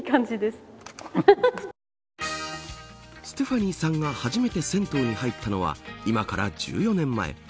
ステファニーさんが初めて銭湯に入ったのは今から１４年前。